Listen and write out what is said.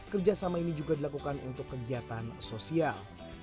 kerjasama ini juga dilakukan untuk kegiatan sosial